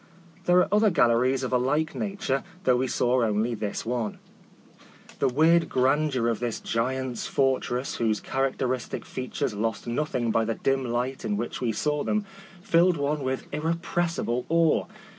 There are other gal leries of a like nature, though we saw only this one. The weird grandeur of this giant's fortress, whose characteristic features lost nothing by the dim light in which we saw them, filled one with irre pressible awe.